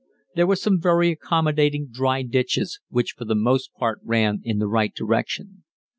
There were some very accommodating dry ditches, which for the most part ran in the right direction.